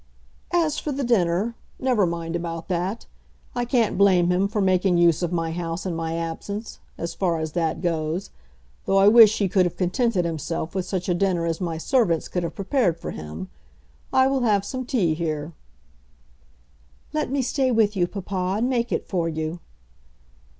"As for the dinner, never mind about that. I can't blame him for making use of my house in my absence, as far as that goes, though I wish he could have contented himself with such a dinner as my servants could have prepared for him. I will have some tea here." "Let me stay with you, papa, and make it for you."